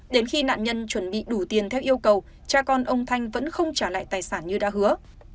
đến khi nạn nhân chuẩn bị đủ tiền theo yêu cầu cha con ông thanh vẫn không trả lại tài sản như đã hứa